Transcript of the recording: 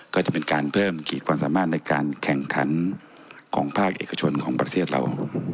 ก็จะเป็นการเพิ่มขีดความสามารถในการแข่งขันของภาคเอกชนของประเทศเรา